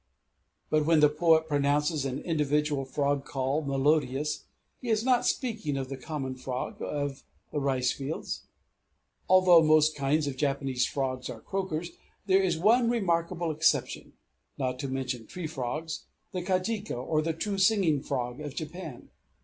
But when the poet pronounces an individual frog call melodious, he is not speaking of the common frog of the ricefields. Although most kinds of Japanese frogs are croakers, there is one remarkable exception (not to mention tree frogs), the kajika, or true singing frog of Japan.